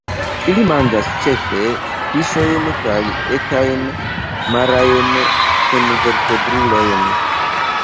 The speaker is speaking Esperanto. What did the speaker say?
Ili manĝas ĉefe fiŝojn kaj etajn marajn senvertebrulojn.